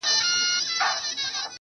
o چي زه تورنه ته تورن سې گرانه .